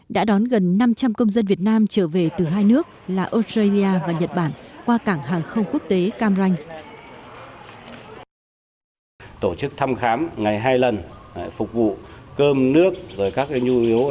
đã đón gần năm trăm linh công dân việt nam trở về từ hai nước là australia và nhật bản qua cảng hàng không quốc tế cam ranh